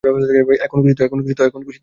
এখন খুশি তো?